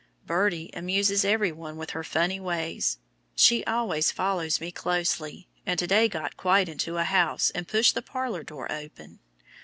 Birdie amuses every one with her funny ways. She always follows me closely, and to day got quite into a house and pushed the parlor door open.